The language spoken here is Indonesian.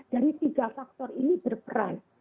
jadi tiga faktor ini berperan